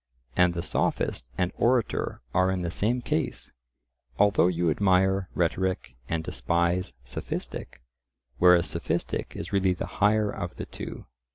And the sophist and orator are in the same case; although you admire rhetoric and despise sophistic, whereas sophistic is really the higher of the two.